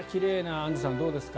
アンジュさん、どうですか？